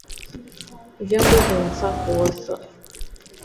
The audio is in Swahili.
Vyombo na vifaa vinavyahitajika kupika keki